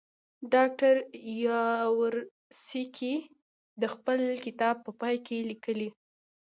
ډاکټر یاورسکي د خپل کتاب په پای کې لیکي.